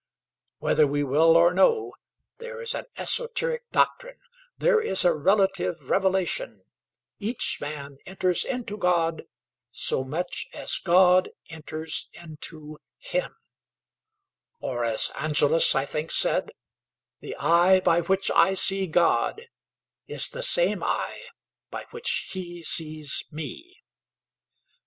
Whether we will or no, there is an esoteric doctrine there is a relative revelation; each man enters into God so much as God enters into him; or, as Angelus, I think, said, "The eye by which I see God is the same eye by which He sees me."